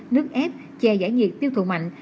nước ép chè giải nhiệt tiêu thụ mạnh